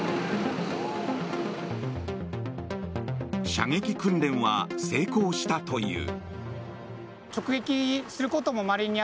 射撃訓練は成功したという。